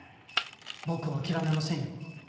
僕は諦めませんよ。